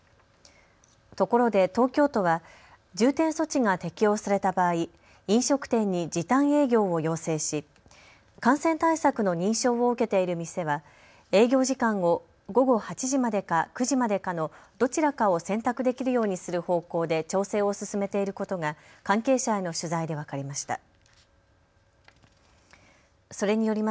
ところで東京都は、重点措置が適用された場合、飲食店に時短営業を要請し感染対策の認証を受けている店は営業時間を午後８時までか９時までかのどちらかを選択できるようにする方向で調整を進めていることが関係者への取材で分かりました。